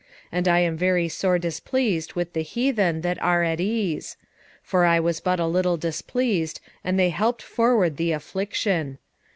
1:15 And I am very sore displeased with the heathen that are at ease: for I was but a little displeased, and they helped forward the affliction.